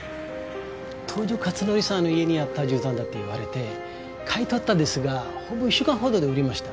東条克典さんの家にあったじゅうたんだって言われて買い取ったんですがほんの１週間ほどで売れました。